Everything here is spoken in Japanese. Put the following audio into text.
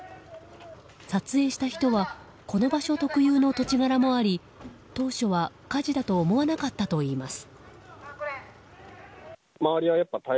撮影した人はこの場所特有の土地柄もあり当初は火事だと思わなかったといいます。